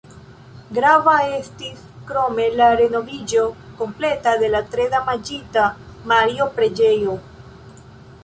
Grava estis krome la renoviĝo kompleta de la tre damaĝita Mario-preĝejo.